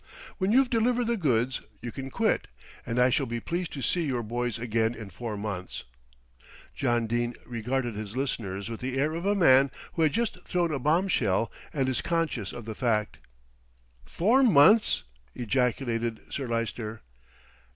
"When you've delivered the goods you can quit, and I shall be pleased to see your boys again in four months." John Dene regarded his listeners with the air of a man who had just thrown a bombshell and is conscious of the fact. "Four months!" ejaculated Sir Lyster.